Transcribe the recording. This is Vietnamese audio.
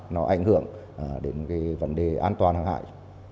nó ảnh hưởng đến vấn đề an toàn hợp hại